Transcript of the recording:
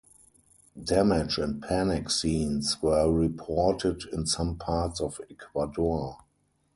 Damage and panic scenes were reported in some parts of Ecuador.